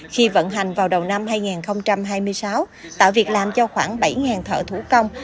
khi vận hành vào đầu năm hai nghìn hai mươi sáu tạo việc làm cho khoảng bảy thợ thủ công